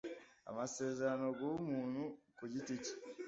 amasezerano guha umuntu ku giti cye